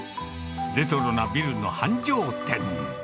レトロなビルの繁盛店。